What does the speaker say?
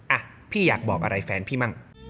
อ่ะพี่อยากบอกอะไรแฟนพี่มั่ง